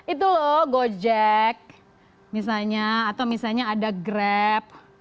itu loh gojek misalnya atau misalnya ada grab